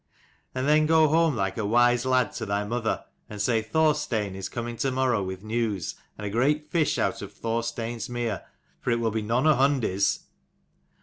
"And then go home like a wise lad to thy mother, and say Thorstein is coming to morrow with news, and a great fish out of Thorstein's mere; for it will be none of Hundi's."